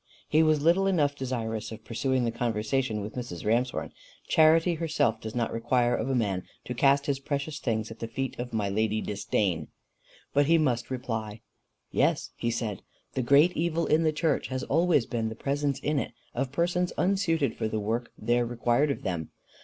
He was little enough desirous of pursuing the conversation with Mrs. Ramshorn: Charity herself does not require of a man to cast his precious things at the feet of my lady Disdain; but he must reply. "Yes," he said, "the great evil in the church has always been the presence in it of persons unsuited for the work there required of them.